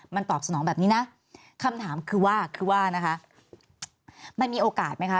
มันตอบสนองแบบนี้นะคำถามคือว่าคือว่านะคะมันมีโอกาสไหมคะ